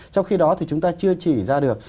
trong khi đó thì chúng ta chưa chỉ ra được